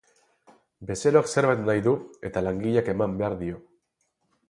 Bezeroak zerbait nahi du eta langileak eman behar dio.